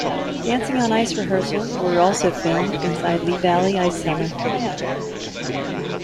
Dancing on ice rehearsals were also filmed inside Lee Valley Ice Centre.